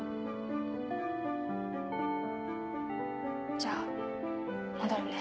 じゃあ戻るね。